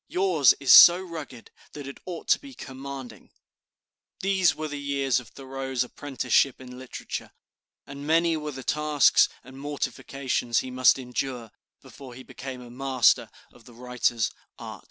Yours is so rugged that it ought to be commanding." These were the years of Thoreau's apprenticeship in literature, and many were the tasks and mortifications he must endure before he became a master of the writer's art.